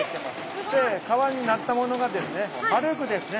皮になったものがですね丸く出るんですね。